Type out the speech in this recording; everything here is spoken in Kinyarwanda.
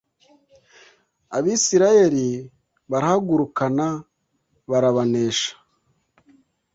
abisirayeli barahagurukana barabanesha